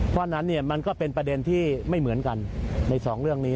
เพราะฉะนั้นมันก็เป็นประเด็นที่ไม่เหมือนกันในสองเรื่องนี้